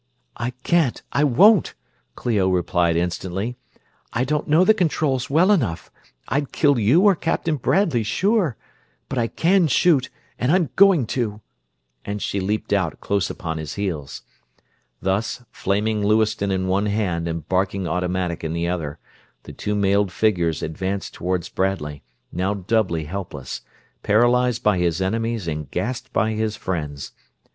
"I can't I won't!" Clio replied instantly. "I don't know the controls well enough. I'd kill you or Captain Bradley, sure; but I can shoot, and I'm going to!" and she leaped out, close upon his heels. Thus, flaming Lewiston in one hand and barking automatic in the other, the two mailed figures advanced toward Bradley; now doubly helpless: paralyzed by his enemies and gassed by his friends.